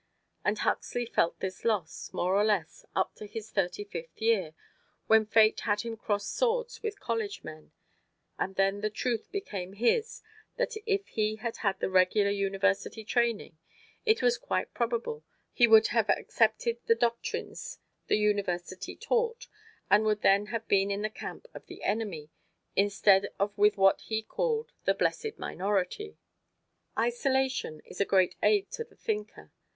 And Huxley felt this loss, more or less, up to his thirty fifth year, when Fate had him cross swords with college men, and then the truth became his that if he had had the regular university training, it was quite probable that he would have accepted the doctrines the universities taught, and would then have been in the camp of the "enemy," instead of with what he called the "blessed minority." Isolation is a great aid to the thinker.